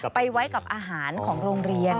ไปไว้กับอาหารของโรงเรียน